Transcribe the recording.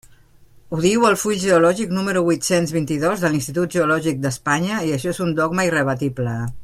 Ho diu el full geològic número huit-cents vint-i-dos de l'Institut Geològic d'Espanya, i això és un dogma irrebatible.